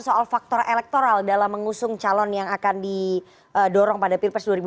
soal faktor elektoral dalam mengusung calon yang akan didorong pada pilpres dua ribu dua puluh